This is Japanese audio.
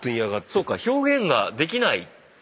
そうか表現ができない。